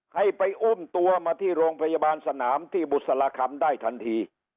ให้ไปอุ้มตัวมาที่โรงพยาบาลสนามที่บุษราคำได้ทันที